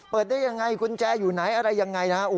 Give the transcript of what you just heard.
ได้ยังไงกุญแจอยู่ไหนอะไรยังไงนะฮะ